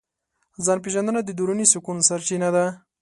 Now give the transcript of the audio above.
ځان پېژندنه د دروني سکون سرچینه ده.